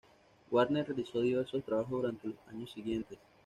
Warner realizó diversos trabajos durante los años siguientes.